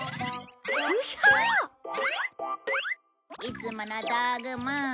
いつもの道具も。